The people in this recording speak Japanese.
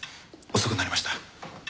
遅くなりました。